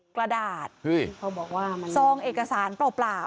กระดาษเฮ้ยเขาบอกว่ามันซองเอกสารเปล่าเปล่า